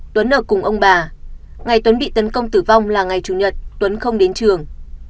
tuấn ở cùng ông bà ngày tuấn bị tấn công tử vong là ngày chủ nhật tuấn không đến trường